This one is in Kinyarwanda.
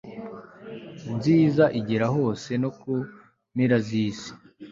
nziza igera hose no ku mpera z'isi